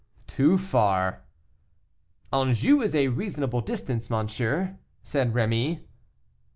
"Too far." "Anjou is a reasonable distance, monsieur," said Rémy.